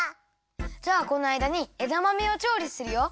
じゃあこのあいだにえだまめをちょうりするよ！